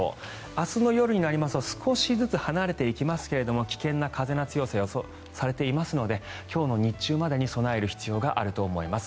明日の夜になりますと少しずつ離れていきますが危険な風の強さが予想されていますので今日の日中までに備える必要があると思います。